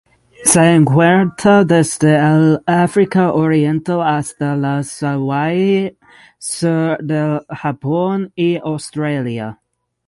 Se encuentra desde el África Oriental hasta las Hawaii, sur del Japón y Australia.